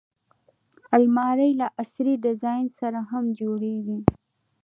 الماري له عصري ډیزاین سره هم جوړیږي